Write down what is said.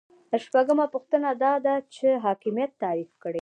شپږمه پوښتنه دا ده چې حاکمیت تعریف کړئ.